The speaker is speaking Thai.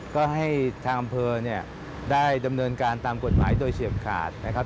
ก็ให้ทางอำเภอเนี่ยได้ดำเนินการตามกฎหมายโดยเฉียบขาดนะครับ